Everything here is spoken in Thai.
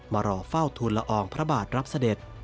มารอเฝ้าทุนละอองพระบาทรับเสด็จ